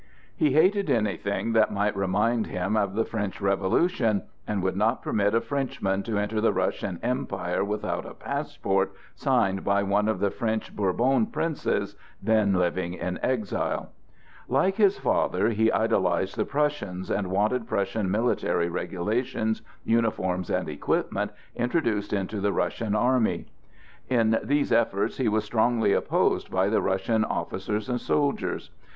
He hated anything that might remind him of the French Revolution, and would not permit a Frenchman to enter the Russian Empire without a passport signed by one of the French Bourbon princes (then living in exile); like his father he idolized the Prussians and wanted Prussian military regulations, uniforms and equipment introduced into the Russian army; in these efforts he was strongly opposed by the Russian officers and soldiers.